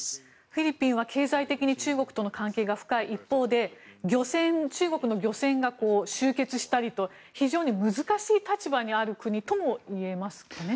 フィリピンは経済的に中国との関係が深い一方で漁船が集結したりと非常に難しい立場にある国とも言えますね。